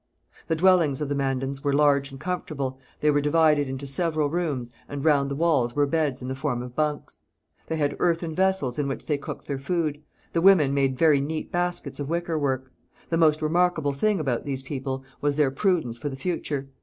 The dwellings of the Mandans were large and comfortable; they were divided into several rooms and round the walls were beds in the form of bunks. They had earthen vessels in which they cooked their food. The women made very neat baskets of wicker work. The most remarkable thing about these people was their prudence for the future.